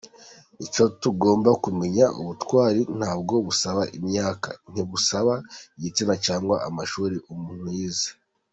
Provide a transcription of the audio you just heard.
Icyo tugomba kumenya, ubutwari ntabwo busaba imyaka, ntibusaba igitsina cyangwa amashuri umuntu yize.